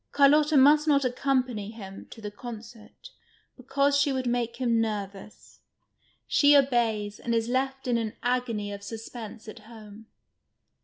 Carlotta must not accompany him to the concert, because she would make him nervous. She obeys, and is left in an agony of suspense at home.